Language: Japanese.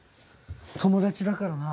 友達だからな。